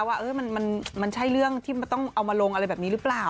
ว่ามันใช่เรื่องที่มันต้องเอามาลงอะไรแบบนี้หรือเปล่า